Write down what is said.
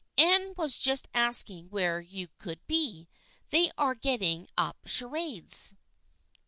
Anne was just asking where you could be. They are getting up charades."